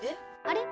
あれ？